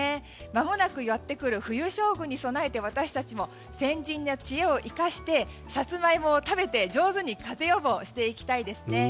間もなくやってくる冬将軍に備えて私たちも先人の知恵を生かしてサツマイモを食べて上手に風邪予防していきたいですよね。